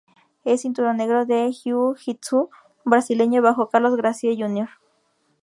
Es cinturón negro en Jiu-Jitsu Brasileño bajo Carlos Gracie Jr.